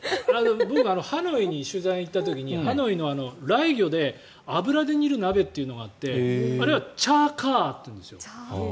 僕、ハノイに取材に行った時にハノイのライギョで油で煮る鍋というのがあってあれはチャーカーっていうんですよ。